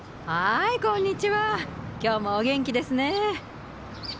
今日もお元気ですね。